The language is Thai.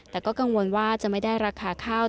แต่ก็กังวลว่าจะไม่ได้ราคาข้าว